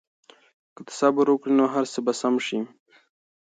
که ته صبر وکړې نو هر څه به سم شي.